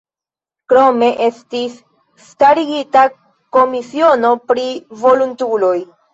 Krome estis starigita komisiono pri volontuloj.